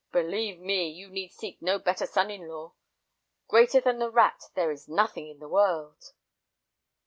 Believe me, you need seek no better son in law; greater than the rat, there is nothing in the world."